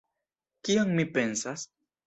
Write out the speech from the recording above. Kion mi pensas?